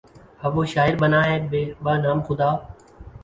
اب وہ شاعر بنا ہے بہ نام خدا